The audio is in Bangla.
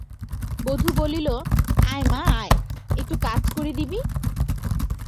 বধূ বলিল, আয় মা আয়, একটু কাজ করে দিবি?